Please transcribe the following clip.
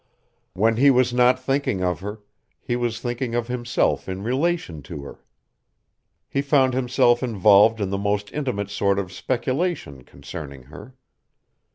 When he was not thinking of her, he was thinking of himself in relation to her. He found himself involved in the most intimate sort of speculation concerning her.